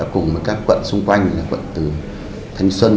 cùng với các quận xung quanh quận từ thánh xuân